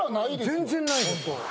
全然ないです。